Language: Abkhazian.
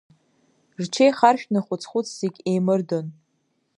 Рҽеихаршәны хәыц-хәыц зегь еимырдон…